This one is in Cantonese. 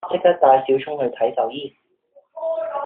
即刻帶小聰去睇獸醫